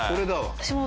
私も。